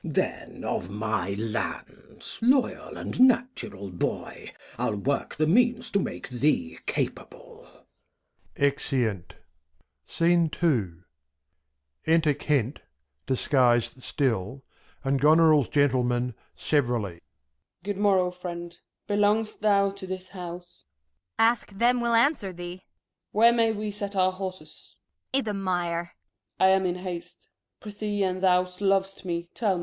Then of my Lands, loyal and natural Boy, I'll work the Means to make thee capable. [Exeunt. Enter Kent {disguis'd still) and Goneril's Gentleman, severally. Gent. Good morrow, Friend, belongst thou to this House ? Kent. Ask them will answer thee. Gent. Where may we set our Horses ? Kent. I'th' Mire. Gent. I am in haste, prethee an' thou lov'st me, tell me.